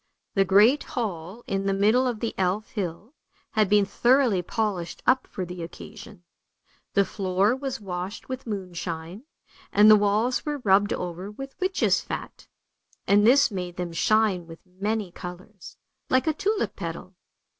The great hall in the middle of the Elf hill had been thoroughly polished up for the occasion. The floor was washed with moonshine, and the walls were rubbed over with witches' fat, and this made them shine with many colours, like a tulip petal.